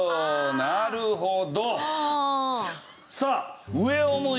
なるほど。